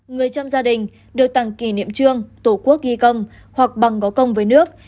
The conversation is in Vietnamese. người trong gia đình được tặng kỷ niệm trương tổ quốc ghi công hoặc bằng có công với nước